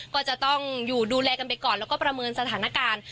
ก็จะต้องอยู่ดูแลกันไปก่อนแล้วก็ประเมินสถานการณ์